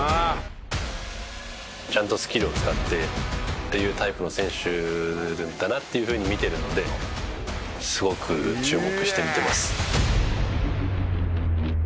ちゃんとスキルを使ってっていうタイプの選手だなっていうふうに見てるのですごく注目して見てます。